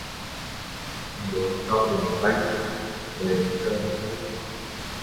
Mượn câu lục bát đề thơ mấy vần